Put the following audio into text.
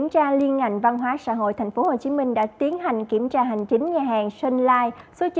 thành phố hồ chí minh đã tiến hành kiểm tra hành chính nhà hàng sunlight